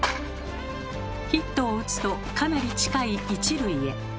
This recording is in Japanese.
ヒットを打つとかなり近い１塁へ。